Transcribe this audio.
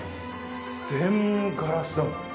全ガラスだもん。